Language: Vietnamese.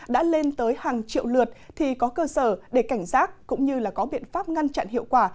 đã lên tới hàng triệu lượt thì có cơ sở để cảnh giác cũng như có biện pháp ngăn chặn hiệu quả